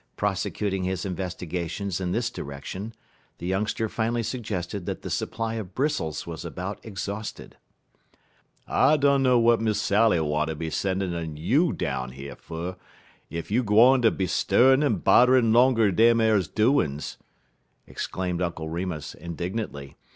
Prosecuting his investigations in this direction, the youngster finally suggested that the supply of bristles was about exhausted. "I dunner w'at Miss Sally wanter be sendin' un you down yer fer, ef you gwine ter be stirr'n' en bodderin' 'longer dem ar doin's," exclaimed Uncle Remus, indignantly.